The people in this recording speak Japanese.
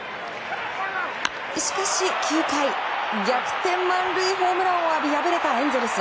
しかし９回逆転満塁ホームランを浴び敗れたエンゼルス。